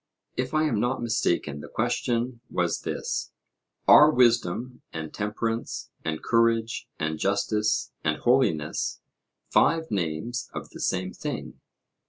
If I am not mistaken the question was this: Are wisdom and temperance and courage and justice and holiness five names of the same thing?